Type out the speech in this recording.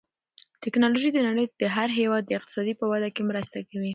تکنالوژي د نړۍ د هر هېواد د اقتصاد په وده کې مرسته کوي.